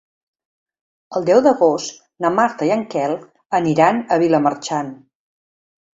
El deu d'agost na Marta i en Quel aniran a Vilamarxant.